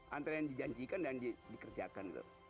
antara yang dijanjikan dan dikerjakan